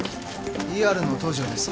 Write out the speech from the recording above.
ＥＲの東上です。